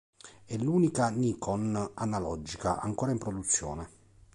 È l'unica Nikon analogica ancora in produzione.